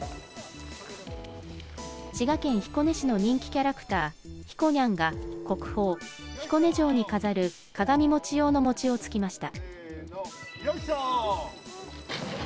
滋賀県彦根市の人気キャラクター、ひこにゃんが国宝、彦根城に飾る鏡餅用の餅をつきました。